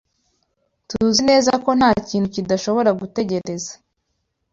TUZI neza ko ntakintu kidashobora gutegereza.